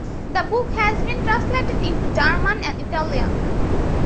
The book has been translated into German and Italian.